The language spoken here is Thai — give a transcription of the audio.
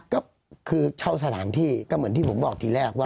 ก็คือเช่าสถานที่ก็เหมือนที่ผมบอกทีแรกว่า